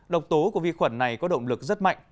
độc tố của vi khuẩn này có động lực rất mạnh